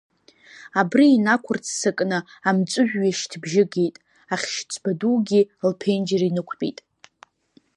Абри инақәырццакны амҵәыжәҩашьҭыбжьы геит, Ахьшьыцба дугьы лԥенџьыр инықәтәеит.